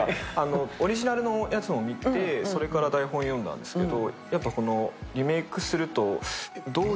オリジナルのやつも見て、それから台本読んだんですけど。